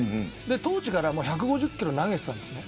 当時から１５０キロ投げていたんです。